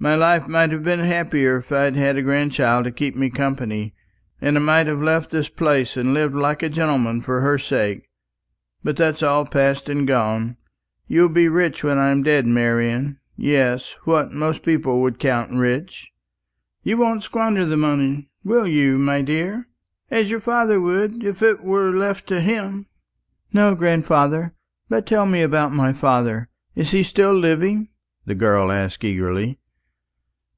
My life might have been happier if I'd had a grandchild to keep me company, and I might have left this place and lived like a gentleman for her sake. But that's all past and gone. You'll be rich when I'm dead, Marian; yes, what most people would count rich. You won't squander the money, will you, my dear, as your father would, if it were left to him?" "No, grandfather. But tell me about my father. Is he still living?" the girl asked eagerly.